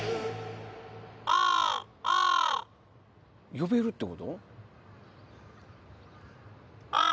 呼べるってこと？